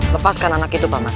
lepaskan anak itu pak mas